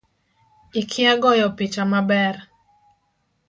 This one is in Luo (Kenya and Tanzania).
Ikia goyo picha maber